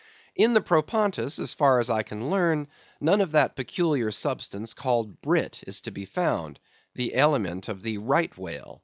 In the Propontis, as far as I can learn, none of that peculiar substance called brit is to be found, the aliment of the right whale.